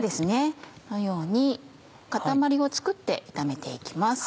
このように塊を作って炒めて行きます。